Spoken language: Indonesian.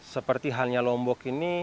seperti halnya lombok ini